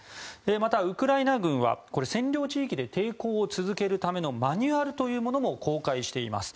また、ウクライナ軍は占領地域で抵抗を続けるためのマニュアルというものも公開しています。